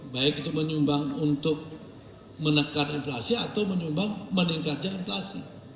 baik itu menyumbang untuk menekan inflasi atau menyumbang meningkatnya inflasi